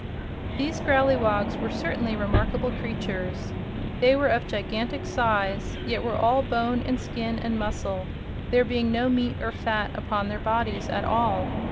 These Growleywogs were certainly remarkable creatures. They were of gigantic size, yet were all bone and skin and muscle, there being no meat or fat upon their bodies at all.